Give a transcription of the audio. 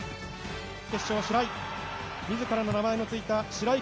決勝、白井。